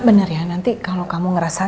benar ya nanti kalau kamu ngerasa